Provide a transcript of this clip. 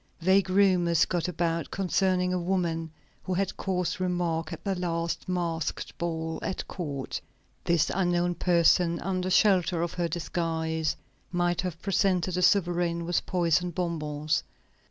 Vague rumors got about concerning a woman who had caused remark at the last masked ball at court. This unknown person, under shelter of her disguise, might have presented the sovereign with poisoned bonbons.